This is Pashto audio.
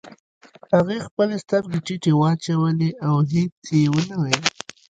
هغې خپلې سترګې ټيټې واچولې او هېڅ يې ونه ويل.